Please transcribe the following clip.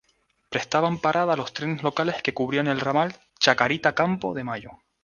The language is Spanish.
Prestaban parada los trenes locales que cubrían el ramal Chacarita-Campo de Mayo.